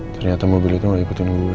ternyata mobil itu gak ikutin gue